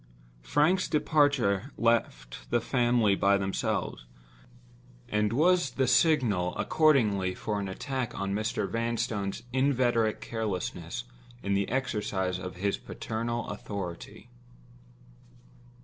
Frank's departure left the family by themselves, and was the signal accordingly for an attack on Mr. Vanstone's inveterate carelessness in the exercise of his paternal authority.